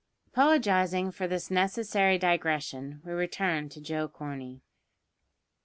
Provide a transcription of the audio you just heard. Apologising for this necessary digression, we return to Joe Corney.